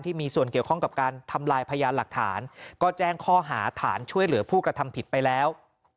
มีส่วนเกี่ยวข้องกับการทำลายพยานหลักฐานก็แจ้งข้อหาฐานช่วยเหลือผู้กระทำผิดไปแล้ว